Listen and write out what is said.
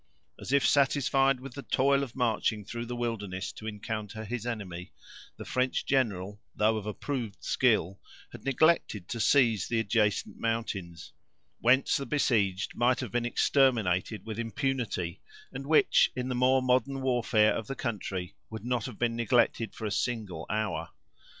As if satisfied with the toil of marching through the wilderness to encounter his enemy, the French general, though of approved skill, had neglected to seize the adjacent mountains; whence the besieged might have been exterminated with impunity, and which, in the more modern warfare of the country, would not have been neglected for a single hour.